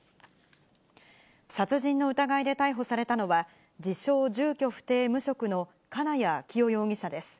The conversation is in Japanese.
殺人の疑いで逮捕されたのは、自称住居不定無職の金谷昭夫容疑者です。